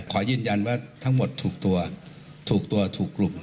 ขอยืนยันว่าทั้งหมดถูกตัวถูกตัวถูกกลุ่ม